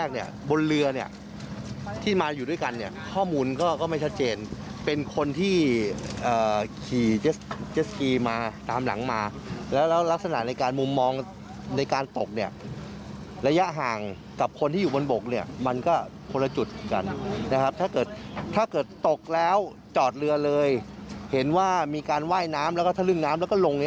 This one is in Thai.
เห็นว่ามีการไหว้น้ำแล้วก็ทะลึงน้ำแล้วก็ลง